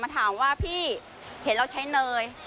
ถามว่าพี่เห็นเราใช้เนย